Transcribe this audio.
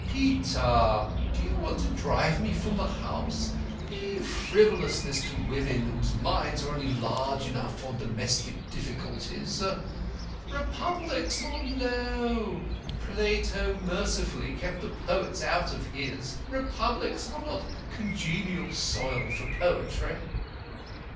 "Peter, do you want to drive me from the house? Leave frivolousness to women, whose minds are only large enough for domestic difficulties. Republics are low. Plato mercifully kept the poets out of his. Republics are not congenial soil for poetry."